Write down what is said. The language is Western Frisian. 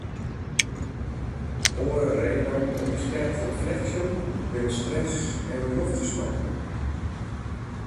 Oare redenen om de stêd te ûntflechtsjen binne stress en loftfersmoarging.